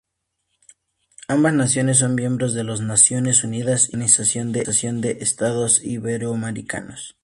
Ambas naciones son miembros de las Naciones Unidas y la Organización de Estados Iberoamericanos.